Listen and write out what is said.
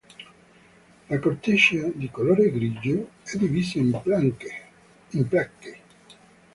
La corteccia, di colore grigio, è divisa in placche.